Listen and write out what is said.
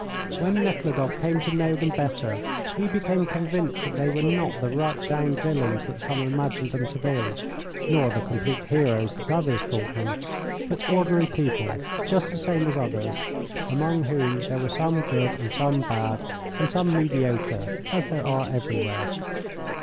When Nekhludoff came to know them better he became convinced that they were not the right down villains that some imagined them to be, nor the complete heroes that others thought them, but ordinary people, just the same as others, among whom there were some good and some bad, and some mediocre, as there are everywhere.